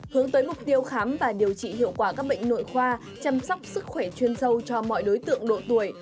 hướng tới mục tiêu khám và điều trị hiệu quả các bệnh nội khoa chăm sóc sức khỏe chuyên sâu cho mọi đối tượng độ tuổi